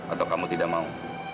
atau kamu tidak mau